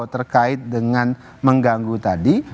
terkait dengan mengganggu tadi